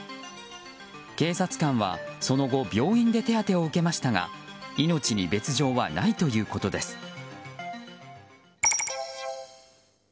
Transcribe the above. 警察官はその後病院で手当てを受けましたが命に別条はないということです。